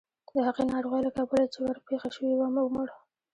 د هغې ناروغۍ له کبله چې ورپېښه شوې وه ومړ.